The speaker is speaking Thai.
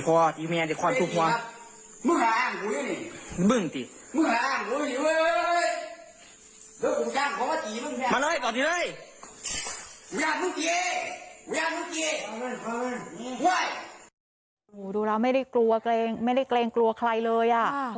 โอ้ดูแล้วไม่ได้เกลงกลัวใครเลย